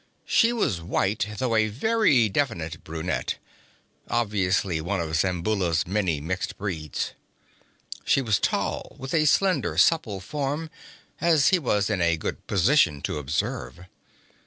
She was white, though a very definite brunette, obviously one of Zamboula's many mixed breeds. She was tall, with a slender, supple form, as he was in a good position to observe.